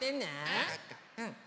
わかった。